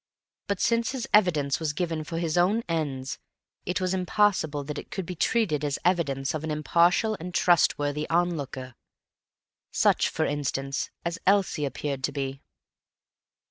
But since his evidence was given for his own ends, it was impossible that it could be treated as the evidence of an impartial and trustworthy onlooker. Such, for instance, as Elsie appeared to be.